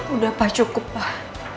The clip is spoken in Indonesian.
udah pak cukup pak